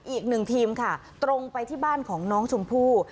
อีกหนึ่งทีมค่ะตรงไปที่บ้านของน้องชมพู่